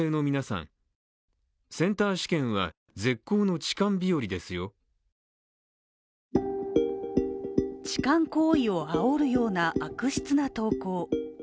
痴漢行為をあおるような悪質な投稿。